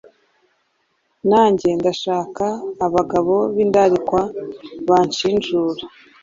nange ndashaka abagabo b’indarikwa banshinjura.”